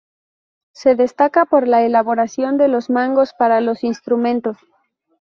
Se destaca por la elaboración de los mangos para los instrumentos.